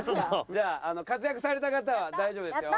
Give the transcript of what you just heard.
じゃあ活躍された方は大丈夫ですよ。